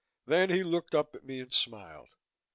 Then he looked up at me and smiled.